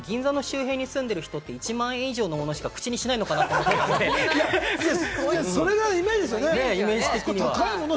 銀座の近くに住んでる人って１万円以上のものしか口にしないのかと思ってて、イメージ的には。